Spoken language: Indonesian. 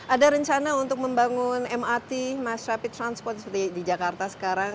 ada rencana untuk membangun mrt mass rapid transport seperti di jakarta sekarang